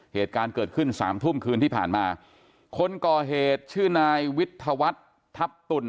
เหตุการณ์เกิดขึ้นสามทุ่มคืนที่ผ่านมาคนก่อเหตุชื่อนายวิทยาวัฒน์ทัพตุ่น